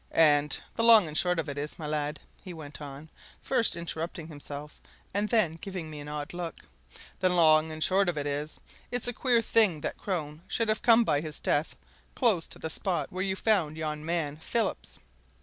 And the long and short of it is, my lad!" he went on, first interrupting himself, and then giving me an odd look; "the long and short of it is, it's a queer thing that Crone should have come by his death close to the spot where you found yon man Phillips!